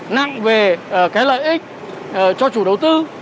nặng về cái lợi ích cho chủ đầu tư